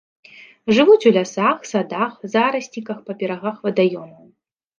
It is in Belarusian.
Жывуць у лясах, садах, зарасніках па берагах вадаёмаў.